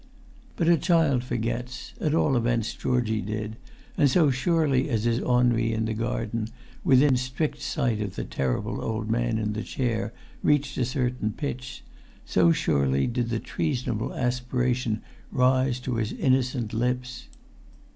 But a child forgets; at all events Georgie did; and so surely as his ennui in the garden, within strict sight of the terrible old man in the chair, reached a certain pitch, so surely did the treasonable aspiration rise to his innocent lips.